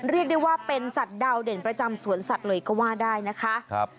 เรียกได้ว่าเป็นสัตว์ดาวเด่นประจำสวนสัตว์เลยก็ว่าได้นะคะ